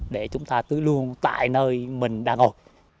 để chúng ta tưới luôn tại nơi mình đang ngồi